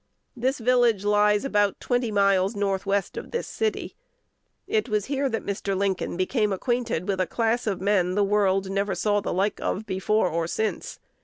This village lies about twenty miles north west of this city. It was here that Mr. Lincoln became acquainted with a class of men the world never saw the like of before or since.